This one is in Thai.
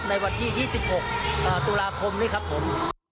ในวันที่๒๖ตุลาคมนี้ครับผม